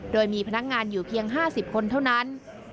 โดยมีพนักงานอยู่เพียง๕๐คนเท่านั้น